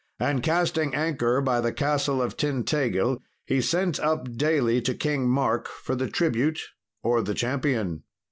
And, casting anchor by the castle of Tintagil, he sent up daily to King Mark for the tribute or the champion.